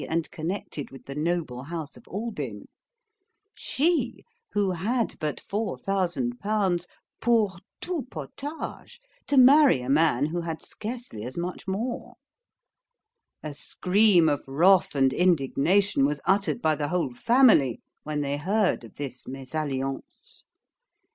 and connected with the noble house of Albyn; she, who had but 4,000L. POUR TOUT POTAGE, to marry a man who had scarcely as much more. A scream of wrath and indignation was uttered by the whole family when they heard of this MESALLIANCE.